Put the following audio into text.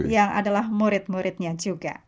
yang adalah murid muridnya juga